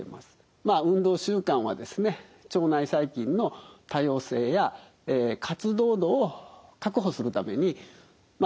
まあ運動習慣はですね腸内細菌の多様性や活動度を確保するためにまあ